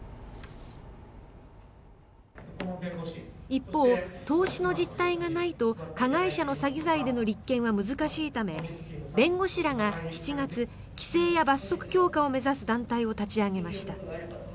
一方、投資の実態がないと加害者の詐欺罪での立件は難しいため弁護士らが７月規制や罰則強化を目指す団体を立ち上げました。